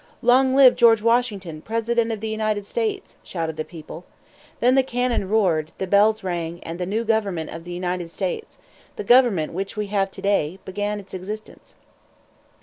"Long live George Washington, President of the United States!" shouted the people. Then the cannon roared, the bells rang, and the new government of the United States the government which we have to day began its existence.